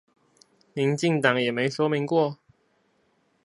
民進黨也沒說明過？